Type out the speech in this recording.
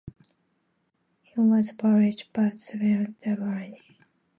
It was published by Suvini Zerboni.